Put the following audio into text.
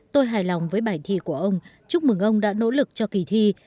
tôi hài lòng với bài thi của ông chúc mừng ông đã nỗ lực cho kỳ thi